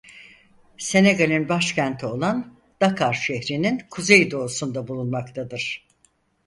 Senegal'in başkenti olan Dakar şehrinin kuzey doğusunda bulunmaktadır.